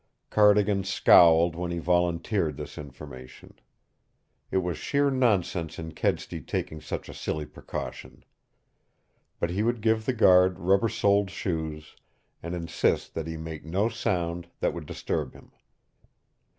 Cardigan scowled when he volunteered this information. It was sheer nonsense in Kedsty taking such a silly precaution. But he would give the guard rubber soled shoes and insist that he make no sound that would disturb him.